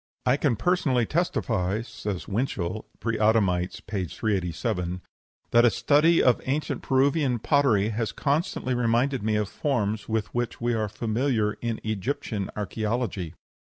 '" "I can personally testify" (says Winchell, "Preadamites," p. 387) "that a study of ancient Peruvian pottery has constantly reminded me of forms with which we are familiar in Egyptian archæology."